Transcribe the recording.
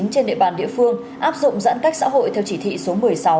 trên địa bàn địa phương áp dụng giãn cách xã hội theo chỉ thị số một mươi sáu